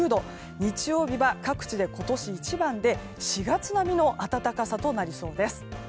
日曜は各地で今年一番で４月並みの暖かさとなりそうです。